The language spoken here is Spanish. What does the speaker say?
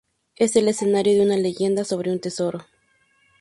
Es el escenario de una leyenda sobre un tesoro.